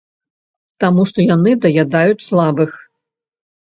Таму што яны даядаюць слабых.